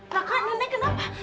kakak nenek kenapa